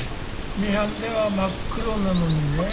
ミハンでは真っ黒なのにねえ。